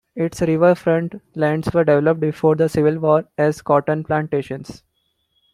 Its riverfront lands were developed before the Civil War as cotton plantations.